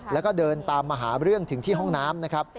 แล้วก็เดินตามมาหาเรื่องถึงที่ห้องน้ำนะครับ